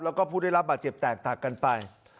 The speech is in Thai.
แล้วก็ผู้ได้รับบาดเจ็บแตกต่างกันไป